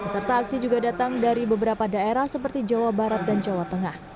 peserta aksi juga datang dari beberapa daerah seperti jawa barat dan jawa tengah